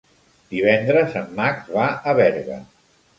Divendres en Max va a Berga.